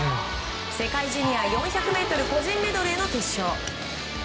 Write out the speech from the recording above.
世界ジュニア４００ｍ個人メドレーの決勝。